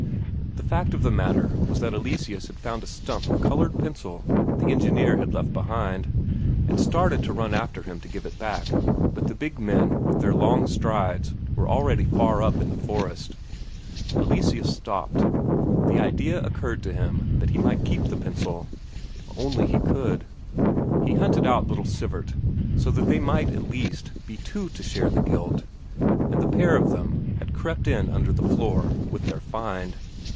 The fact of the matter was that Eleseus had found a stump of coloured pencil the engineer had left behind, and started to run after him and give it back, but the big men with their long strides were already far up in the forest. Eleseus stopped. The idea occurred to him that he might keep the pencil if only he could! He hunted out little Sivert, so that they might at least be two to share the guilt, and the pair of them had crept in under the floor with their find.